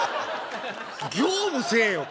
業務せえよ